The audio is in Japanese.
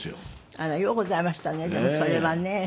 あらようございましたねでもそれはね。